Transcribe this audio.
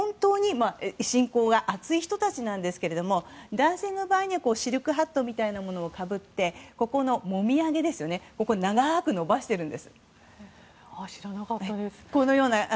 信仰が厚い人たちなんですけども男性の場合はシルクハットみたいなものをかぶってここのもみあげここを長く伸ばしているんです。